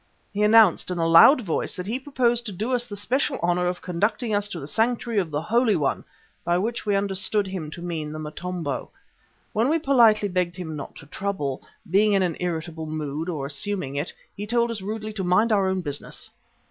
He announced in a loud voice that he proposed to do us the special honour of conducting us to the sanctuary of the Holy One, by which we understood him to mean the Motombo. When we politely begged him not to trouble, being in an irritable mood, or assuming it, he told us rudely to mind our own business.